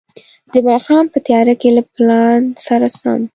د ماښام په تياره کې له پلان سره سم.